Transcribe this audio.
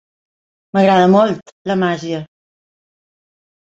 M'agrada molt, la màgia.